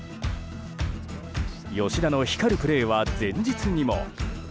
吉田の光るプレーは前日にも。